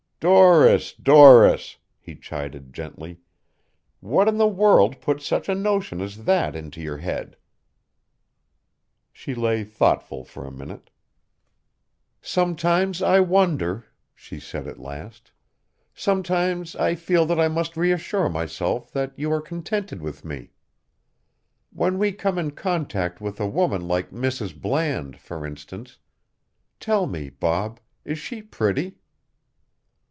"Doris, Doris," he chided gently. "What in the world put such a notion as that into your head?" She lay thoughtful for a minute. "Sometimes I wonder," she said at last. "Sometimes I feel that I must reassure myself that you are contented with me. When we come in contact with a woman like Mrs. Bland, for instance Tell me, Bob, is she pretty?"